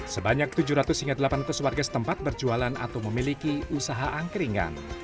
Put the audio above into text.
sebanyak tujuh ratus hingga delapan ratus warga setempat berjualan atau memiliki usaha angkringan